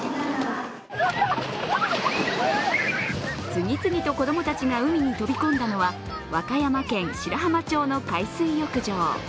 次々と子供たちが海に飛び込んだのは和歌山県白浜町の海水浴場。